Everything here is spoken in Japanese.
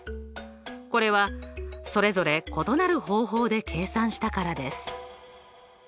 これはそれぞれ異なる方法で計算したからです。